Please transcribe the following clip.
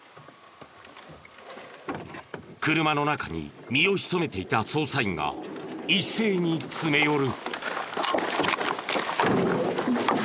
車の中に身を潜めていた捜査員が一斉に詰め寄る。